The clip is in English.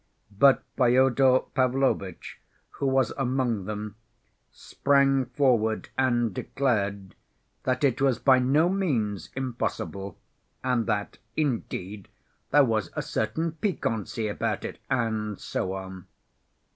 But Fyodor Pavlovitch, who was among them, sprang forward and declared that it was by no means impossible, and that, indeed, there was a certain piquancy about it, and so on....